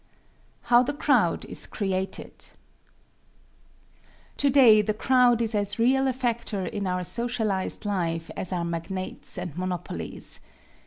How the Crowd is Created Today the crowd is as real a factor in our socialized life as are magnates and monopolies.